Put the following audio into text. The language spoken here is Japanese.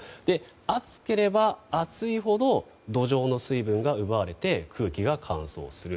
暑ければ暑いほど土壌の水分が奪われて空気が乾燥する。